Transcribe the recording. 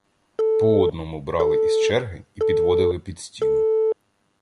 По одному брали із черги і підводили під стіну.